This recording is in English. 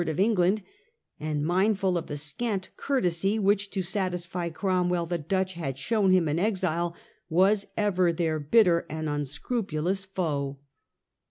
of England, and mindful of the scant courtesy which, to satisfy Cromwell, the Dutch had shown him in exile, was ever their bitter and unscrupulous foe.